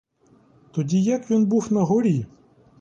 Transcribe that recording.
Тоді, як він був на горі?